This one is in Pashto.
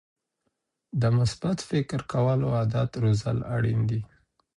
د مثبت فکر کولو عادت روزل اړین دي.